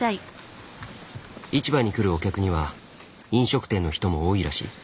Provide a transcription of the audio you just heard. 市場に来るお客には飲食店の人も多いらしい。